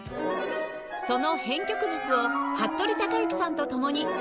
その編曲術を服部之さんと共に大解剖！